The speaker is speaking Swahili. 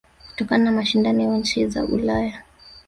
Kutokana na mashindano ya nchi za Ulaya